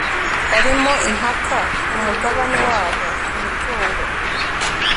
barimo impaka ku mugabane wabo ku mutungo